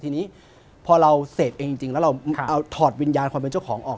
ทีนี้พอเราเสพเองจริงแล้วเราเอาถอดวิญญาณความเป็นเจ้าของออก